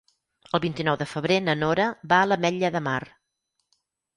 El vint-i-nou de febrer na Nora va a l'Ametlla de Mar.